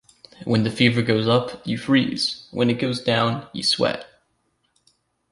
When the fever goes up, you freeze, when it goes down, you sweat.